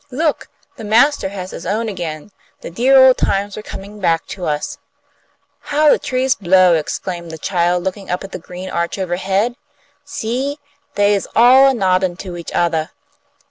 "Look! The master has his own again. The dear old times are coming back to us." "How the trees blow!" exclaimed the child, looking up at the green arch overhead. "See! They's all a noddin' to each othah."